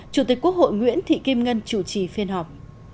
chủ tịch quốc hội nguyễn thị kim ngân chủ trì phiên họp